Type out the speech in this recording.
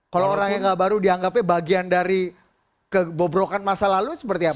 kalau orang yang gak baru dianggapnya bagian dari kebobrokan masa lalu seperti apa